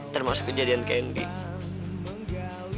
termasuk kejadian candy